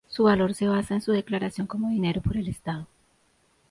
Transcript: Su valor se basa en su declaración como dinero por el Estado.